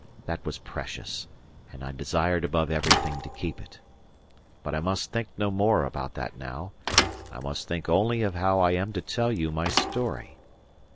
That was precious, and I desired above everything to keep it. But I must think no more about that now. I must think only of how I am to tell you my story.